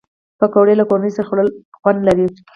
پکورې له کورنۍ سره خوړل خوند لري